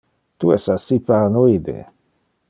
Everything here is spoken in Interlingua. Tu es assi paranoide.